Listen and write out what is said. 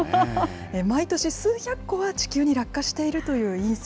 毎年数百個は地球に落下しているという隕石。